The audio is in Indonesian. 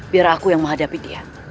biar aku yang menghadapi dia